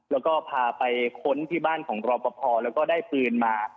แล้วก็พาไปค้นที่บ้านของรอปภแล้วก็ได้ปืนมา